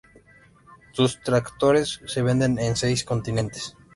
Sus tractores se venden en seis continentes.